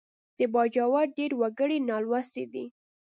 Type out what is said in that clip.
د باجوړ ډېر وګړي نالوستي دي